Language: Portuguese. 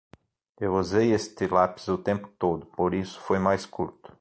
Eu usei este lápis o tempo todo, por isso foi mais curto.